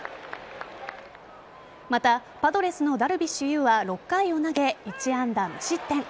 またパドレスのダルビッシュ有は６回を投げ、１安打無失点。